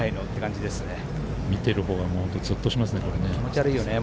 見てるほうはゾッとしますね。